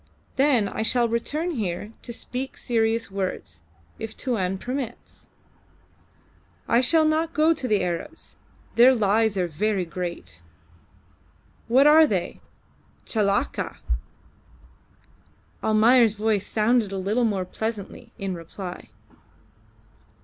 Then I shall return here to speak serious words, if Tuan permits. I shall not go to the Arabs; their lies are very great! What are they? Chelakka!" Almayer's voice sounded a little more pleasantly in reply.